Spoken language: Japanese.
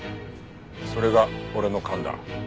それが俺の勘だ。